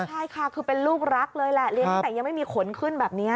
ใช่ค่ะคือเป็นลูกรักเลยแหละเลี้ยงตั้งแต่ยังไม่มีขนขึ้นแบบนี้